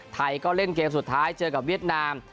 ไทยก็เล่นเกมสุดท้ายเจอกับเวียดนาม